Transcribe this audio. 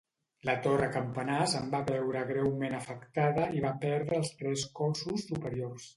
La torre campanar se'n va veure greument afectada i va perdre els tres cossos superiors.